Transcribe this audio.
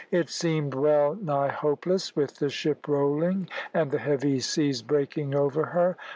It seemed well nigh hopeless, with the ship rolling and the heavy seas breaking over her.